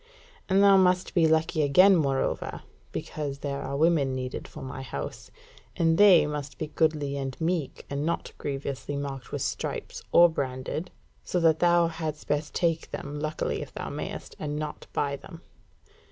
And thou must be lucky again, moreover; because there are women needed for my house; and they must be goodly and meek, and not grievously marked with stripes, or branded, so that thou hadst best take them, luckily if thou mayst, and not buy them.